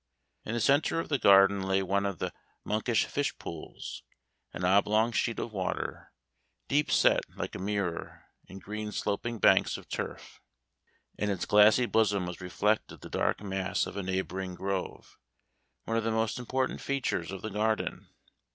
In the centre of the garden lay one of the monkish fish pools, an oblong sheet of water, deep set like a mirror, in green sloping banks of turf. In its glassy bosom was reflected the dark mass of a neighboring grove, one of the most important features of the garden.